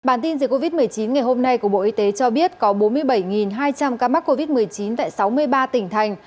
bản tin dịch covid một mươi chín ngày hôm nay của bộ y tế cho biết có bốn mươi bảy hai trăm linh ca mắc covid một mươi chín tại sáu mươi ba tỉnh thành